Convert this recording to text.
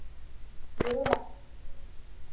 Йөрөмә!